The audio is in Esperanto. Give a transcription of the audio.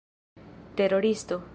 teroristo